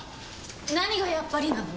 何がやっぱりなの？